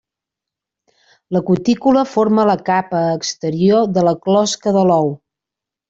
La cutícula forma la capa exterior de la closca de l'ou.